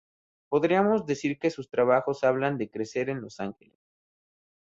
Podríamos decir que sus trabajos hablan de crecer en Los Ángeles.